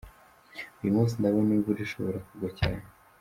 Uyu munsi ndabona imvura ishobora kugwa cyane.